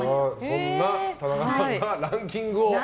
そんな田中さんがランキングを。